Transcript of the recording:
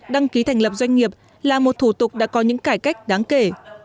đăng ký thành lập doanh nghiệp là một thủ tục đã có những cải cách đáng kể